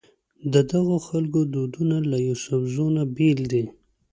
ددغو خلکو دودونه له یوسفزو نه بېل دي.